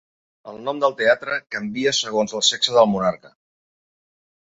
El nom del teatre canvia segons el sexe del monarca.